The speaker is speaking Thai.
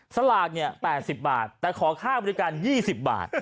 สลาก๘๐บาทแต่ขอค่าบริการ๒๐บาท